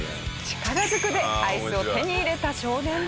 力ずくでアイスを手に入れた少年でした。